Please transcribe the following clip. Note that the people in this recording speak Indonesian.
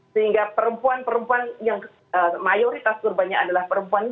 sehingga perempuan perempuan yang mayoritas korbannya adalah perempuan ini